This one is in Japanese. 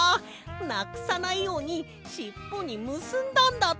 なくさないようにしっぽにむすんだんだった！